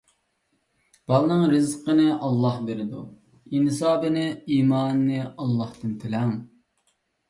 بالىنىڭ رىزقىنى ئاللاھ بېرىدۇ. ئىنسابىنى، ئىمانىنى ئاللاھتىن تىلەڭ.